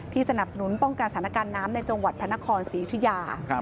สนับสนุนป้องกันสถานการณ์น้ำในจังหวัดพระนครศรียุธิยา